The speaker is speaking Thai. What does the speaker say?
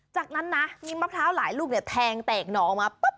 จากนั้นน่ะมีมะพร้าวหลายลูกแทงแตกหนอมา